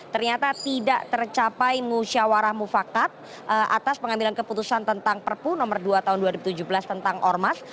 ternyata tidak tercapai musyawarah mufakat atas pengambilan keputusan tentang perpu nomor dua tahun dua ribu tujuh belas tentang ormas